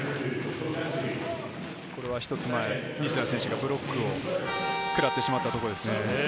これは一つ前、西田選手がブロックを食らってしまったところですね。